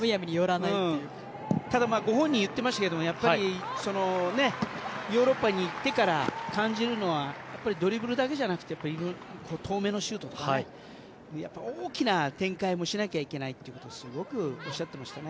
ただ、ご本人は言っていましたけどヨーロッパに行ってから感じるのはドリブルだけじゃなくて遠めのシュートとか大きな展開もしなきゃいけないということをすごくおっしゃっていましたね。